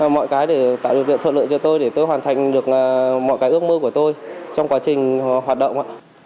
mọi cái để tạo điều kiện thuận lợi cho tôi để tôi hoàn thành được mọi cái ước mơ của tôi trong quá trình hoạt động